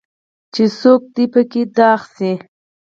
چې څوک دي پکې دغ شي.